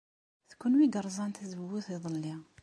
D kenwi ay yerẓan tazewwut iḍelli.